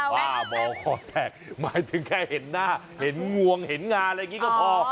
บ้ามองคอแตกหมายถึงแค่เห็นหน้าเห็นงวงเห็นงานอะไรอย่างนี้ก็พอ